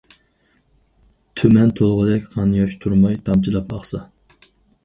تۈمەن تولغۇدەك قان- ياش، تۇرماي تامچىلاپ ئاقسا.